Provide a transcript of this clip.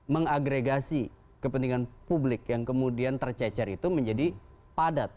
mengagregasi kepentingan publik yang kemudian tercecer itu menjadi padat